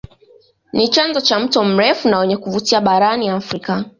Ni chanzo cha mto mrefu na wenye kuvutia barani Afrika